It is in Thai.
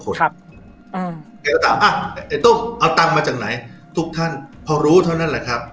แกก็ถามอ่ะไอ้ต้องเอาตังค์มาจากไหนทุกท่านพอรู้เท่านั้นแหละครับ